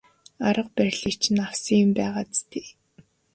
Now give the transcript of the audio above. Арга барилыг чинь авсан юм байгаа биз дээ.